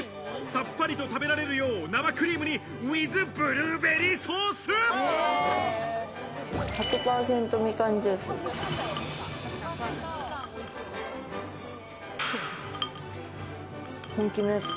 さっぱりと食べられるよう生クリームにウィズ、ブルーベリーソー１００％ミカンジュース。